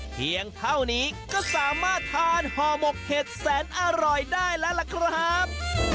เพียงเท่านี้ก็สามารถทานห่อหมกเห็ดแสนอร่อยได้แล้วล่ะครับ